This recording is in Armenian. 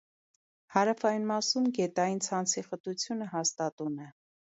Հարավային մասում գետային ցանցի խտությունը հաստատուն է։